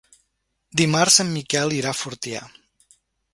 Dimarts en Miquel irà a Fortià.